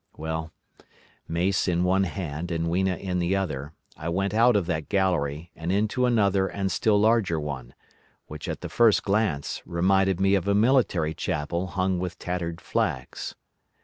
"Well, mace in one hand and Weena in the other, I went out of that gallery and into another and still larger one, which at the first glance reminded me of a military chapel hung with tattered flags.